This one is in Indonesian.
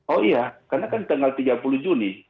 oh iya karena kan tanggal tiga puluh juni